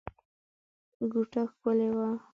کوټه ښکلې وه.